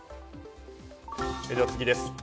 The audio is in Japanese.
では、次です。